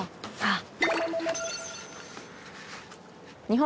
「ああ」